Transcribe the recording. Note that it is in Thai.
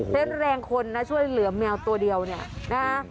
เส้นแรงคนนะช่วยเหลือแมวตัวเดียวเนี่ยนะฮะ